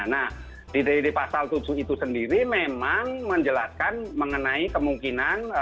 nah di pasal tujuh itu sendiri memang menjelaskan mengenai kemungkinan